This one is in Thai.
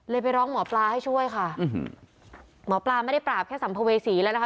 ไปร้องหมอปลาให้ช่วยค่ะหมอปลาไม่ได้ปราบแค่สัมภเวษีแล้วนะคะ